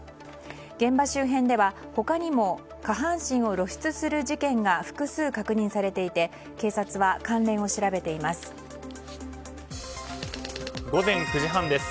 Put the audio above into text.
現場周辺では他にも、下半身を露出する事件が複数確認されていて警察は関連を調べています。